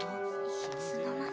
いつの間に？